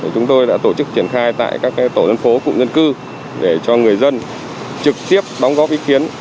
chúng tôi đã tổ chức triển khai tại các tổ dân phố cụm dân cư để cho người dân trực tiếp đóng góp ý kiến